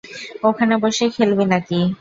ওখানে বসেই খেলবি নাকি?